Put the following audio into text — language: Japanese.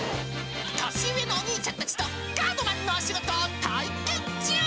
年上のお兄ちゃんたちとガードマンの仕事を体験中。